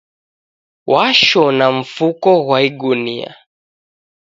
Washona mfuko ghwa igunia